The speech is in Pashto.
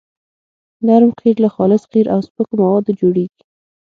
نرم قیر له خالص قیر او سپکو موادو جوړیږي